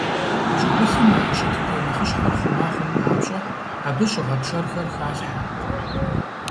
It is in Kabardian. ЩӀыгулъым а и щытыкӀэ нэхъыщхьэр хъума хъун папщӀэ, абы щӀыгъэпшэрхэр халъхьэ.